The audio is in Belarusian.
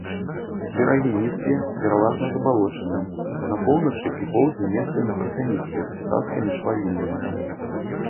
Берагі нізкія, пераважна забалочаныя, на поўначы і поўдні месцамі тарфяністыя, участкамі сплавінныя.